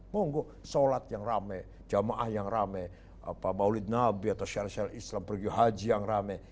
monggo sholat yang rame jamaah yang rame maulid nabi atau syaril islam pergi haji yang rame